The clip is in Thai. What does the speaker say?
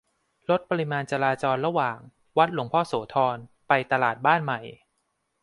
ลดปริมาณจราจรระหว่าง วัดหลวงพ่อโสธร ไปตลาดบ้านใหม่